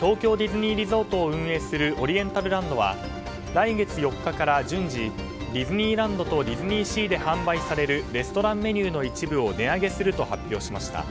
東京ディズニーリゾートを運営するオリエンタルランドは来月４日から順次ディズニーランドとディズニーシーで販売されるレストランメニューの一部を値上げすると発表しました。